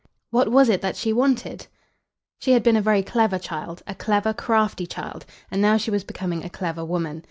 What was it that she wanted? She had been a very clever child, a clever, crafty child; and now she was becoming a clever woman.